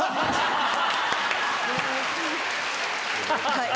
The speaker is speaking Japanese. はい。